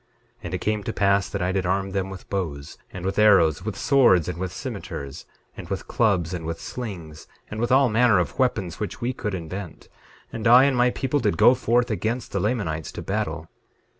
9:16 And it came to pass that I did arm them with bows, and with arrows, with swords, and with cimeters, and with clubs, and with slings, and with all manner of weapons which we could invent, and I and my people did go forth against the Lamanites to battle.